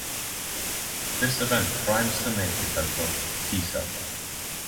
This event primes the naive helper T cell.